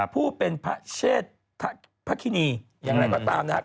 ผู้เป็นพระเชษพระคินีอย่างไรก็ตามนะครับ